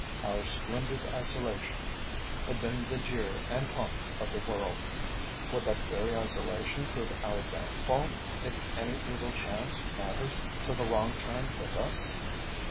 Our "splendid isolation" had been the jeer and taunt of the world. Would that very isolation prove our downfall, if by any evil chance matters took a wrong turn with us?